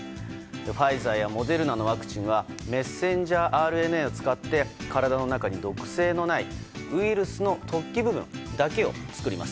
ファイザーやモデルナのワクチンはメッセンジャーＲＮＡを使って、体の中に毒性のないウイルスの突起部分だけを作ります。